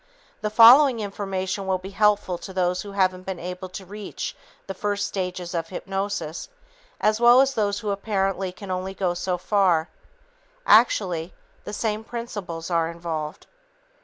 The following information will be helpful to those who haven't been able to reach the first stages of hypnosis, as well as those who apparently can go only so far. Actually, the same principles are involved.